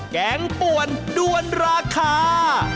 แกงป่วนด้วนราคา